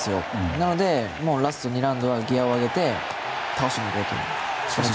なので、ラスト２ラウンドはギアを上げて倒しに行こうとしました。